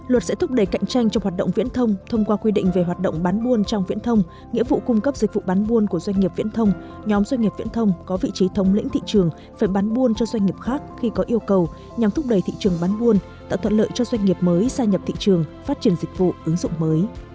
luật sẽ thúc đẩy cạnh tranh trong hoạt động viễn thông thông qua quy định về hoạt động bán buôn trong viễn thông nghĩa vụ cung cấp dịch vụ bán buôn của doanh nghiệp viễn thông nhóm doanh nghiệp viễn thông có vị trí thống lĩnh thị trường phải bán buôn cho doanh nghiệp khác khi có yêu cầu nhằm thúc đẩy thị trường bán buôn tạo thuận lợi cho doanh nghiệp mới gia nhập thị trường phát triển dịch vụ ứng dụng mới